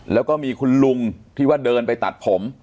แล้วก็มีคุณลุงที่ว่าเดินไปตัดผม